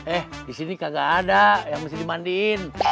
eh di sini kagak ada yang mesti dimandiin